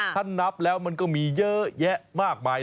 ถ้านับแล้วมันก็มีเยอะแยะมากมาย